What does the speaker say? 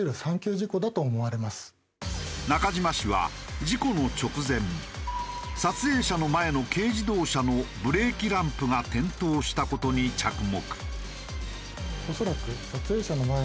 中島氏は事故の直前撮影者の前の軽自動車のブレーキランプが点灯した事に着目。